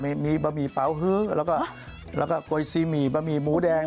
มีบะหมี่เป๋าฮึ้งแล้วก็กลวยซีหมี่บะหมี่หมูแดง